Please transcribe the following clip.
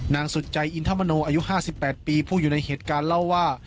นางสุดใจอินทมโนอายุ๕๘ปีผู้อยู่ในเหตุการณ์เล่าว่า